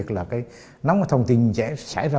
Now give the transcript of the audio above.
thôi đi bà